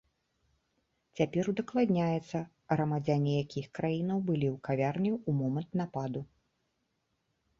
Цяпер удакладняецца, грамадзяне якіх краінаў былі ў кавярні ў момант нападу.